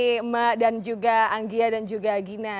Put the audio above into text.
iya mak dan juga anggia dan juga gina